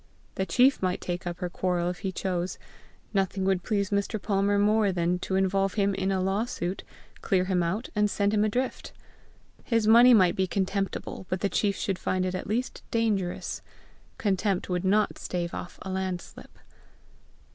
The chief might take up her quarrel if he chose: nothing would please Mr. Palmer more than to involve him in a law suit, clear him out, and send him adrift! His money might be contemptible, but the chief should find it at least dangerous! Contempt would not stave off a land slip!